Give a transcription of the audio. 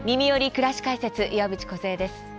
くらし解説」岩渕梢です。